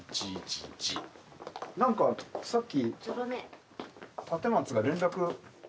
何かさっき舘松が連絡。